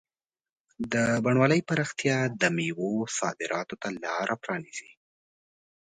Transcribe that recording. د بڼوالۍ پراختیا د مېوو صادراتو ته لاره پرانیزي.